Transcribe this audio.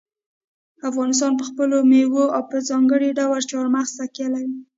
افغانستان په خپلو مېوو او په ځانګړي ډول چار مغز تکیه لري.